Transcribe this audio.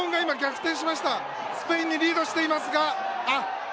スペインにリードしていますが。